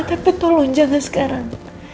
tapi tolong jangan sekarang